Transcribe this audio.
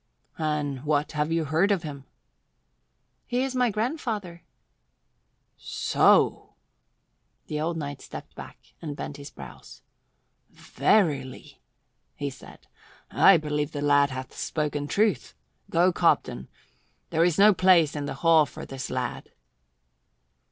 "And what have you heard of him?" "He is my grandfather." "So!" The old knight stepped back and bent his brows. "Verily," he said, "I believe the lad hath spoken truth. Go, Cobden. There is no place in the hall for this lad."